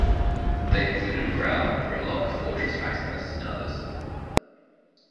They included Prowl, Grimlock, Fortress Maximus, and others.